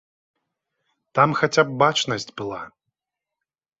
Там хаця б бачнасць была.